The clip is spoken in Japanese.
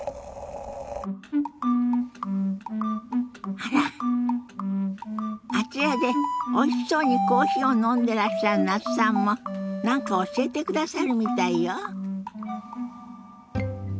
あらあちらでおいしそうにコーヒーを飲んでらっしゃる那須さんも何か教えてくださるみたいよ。